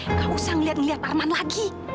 nggak usah ngeliat ngeliat arman lagi